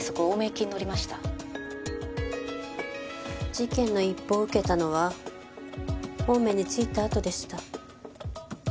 事件の一報を受けたのは青梅に着いたあとでした。